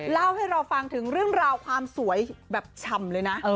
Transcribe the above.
เล่าให้เราฟังถึงเรื่องราวความสวยแบบฉ่ำเลยนะ